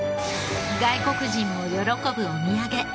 外国人も喜ぶお土産鎌倉